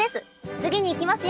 次にいきますよ！